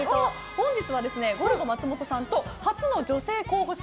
本日はゴルゴ松本さんと初の女性候補者